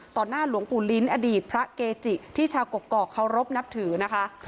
หน้าหลวงปู่ลิ้นอดีตพระเกจิที่ชาวกกอกเคารพนับถือนะคะ